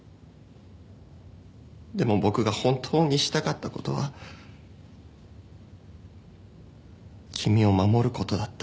でも僕が本当にしたかったことは君を守ることだった。